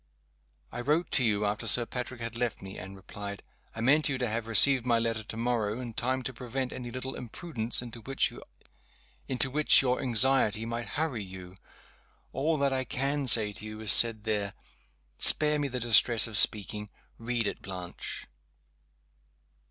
"I wrote to you, after Sir Patrick had left me," Anne replied. "I meant you to have received my letter to morrow, in time to prevent any little imprudence into which your anxiety might hurry you. All that I can say to you is said there. Spare me the distress of speaking. Read it, Blanche."